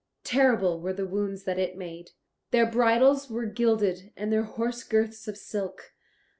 Terrible were the wounds that it made. Their bridles were gilded, and their horse girths of silk.